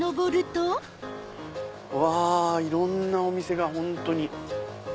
うわいろんなお店が本当に。